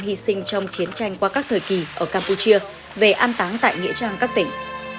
hy sinh trong chiến tranh qua các thời kỳ ở campuchia về an táng tại nghĩa trang các tỉnh